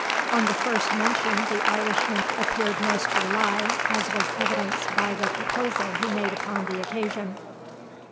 On the first mentioned the Irishman appeared most to rely, as was evidenced by the proposal he made upon the occasion.